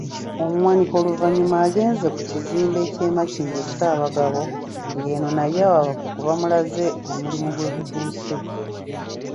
Omuwanika oluvannyuma agenze ku kizimbe ky'e Makindye Ssaabagabo ng'eno nayo abakugu bamulaze omulimu we gutuuse.